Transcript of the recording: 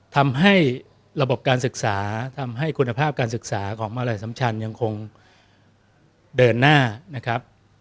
ทำให้ระบบการศึกษาทำให้คุณภาพการศึกษาของมหาลัยสัมชันยังคงเดินหน้านะครับ